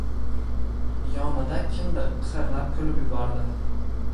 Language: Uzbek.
Yonida kimdir qiqirlab kulib yubordi.